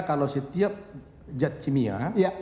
kalau setiap jad kimia